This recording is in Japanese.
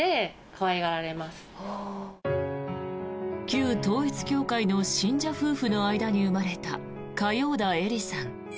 旧統一教会の信者夫婦の間に生まれた嘉陽田恵利さん。